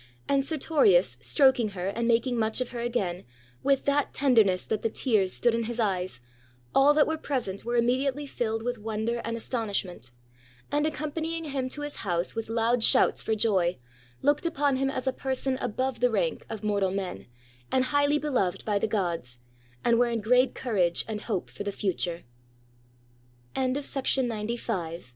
And Ser torius stroking her and making much of her again, with that tenderness that the tears stood in his eyes, all that were present were immediately filled with wonder and astonishment, and accompanying him to his house with loud shouts for joy, looked upon him as a person above the rank of mortal men, and highly beloved by the gods, and were in great cou